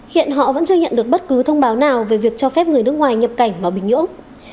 hiện họ vẫn chưa nhận được bất cứ thông báo nào về việc cho phép người nước ngoài nhập cảnh vào bình nhưỡng